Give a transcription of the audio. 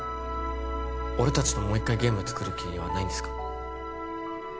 俺達ともう一回ゲームを作る気はないんですか？